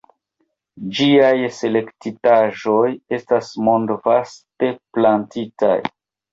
Ĝiaj selektitaĵoj estas mondvaste plantitaj.